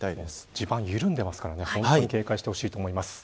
地盤が緩んでますから本当に警戒してもらいたいと思います。